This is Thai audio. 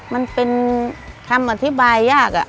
มันเป็นคำอธิบายยาก